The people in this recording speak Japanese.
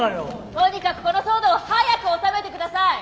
とにかくこの騒動を早く収めて下さい。